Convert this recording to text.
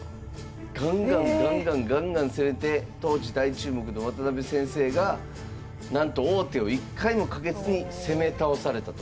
ガンガンガンガンガンガン攻めて当時大注目の渡辺先生がなんと王手を一回もかけずに攻め倒されたと。